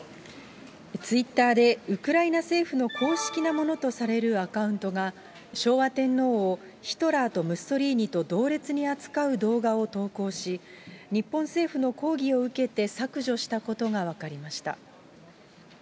ツイッターでウクライナ政府の公式なものとされるアカウントが、昭和天皇をヒトラーとムッソリーニと同列に扱う動画を投稿し、日本政府の抗議を受けて削除したことが分かりました。